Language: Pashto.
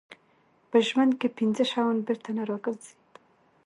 په ژوند کې پنځه شیان بېرته نه راګرځي.